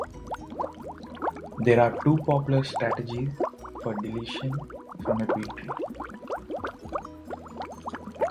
There are two popular strategies for deletion from a B-tree.